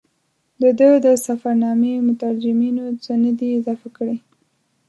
د ده د سفرنامې مترجمینو څه نه دي اضافه کړي.